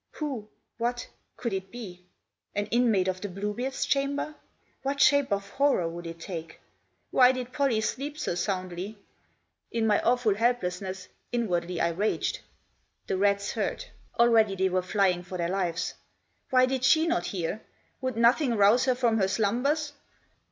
Who— what — could it be? An inmate of the Blue beard's Chamber? What shape of horror would it Digitized by A VISION OF THE NIGHT. 11T take? Why did Pollie sleep so soundly? In my awful helplessness inwardly I raged. The rats heard ; already they were flying for their lives. Why did she not hear? Would nothing rouse her from her slumbers